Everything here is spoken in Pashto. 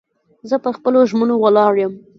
زه پر خپلو ژمنو ولاړ یم.